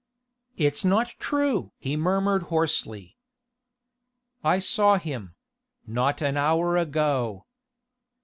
"It's not true!" he murmured hoarsely. "I saw him not an hour ago...."